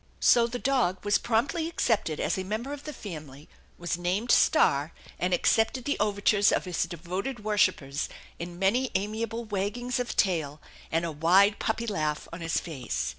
So the dog was promptly accepted as a member of the family, was named Star, and accepted the overtures of his devoted worshippers in many amiable waggings of tail and a wide puppy laugh on his face.